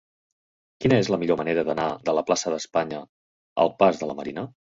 Quina és la millor manera d'anar de la plaça d'Espanya al pas de la Marina?